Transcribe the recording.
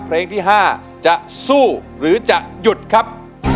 เพลงที่๕จะสู้หรือจะหยุดครับ